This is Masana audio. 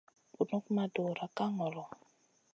Bunuk ma dura ka ŋolo.